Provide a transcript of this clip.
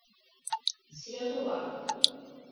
Silahı var!